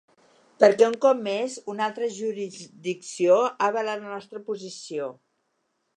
Perquè un cop més una altra jurisdicció ha avalat la nostra posició.